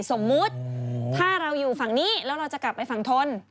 สมมุติถ้าเราอยู่ฝั่งนี้แล้วเราจะกลับไปฝั่งทน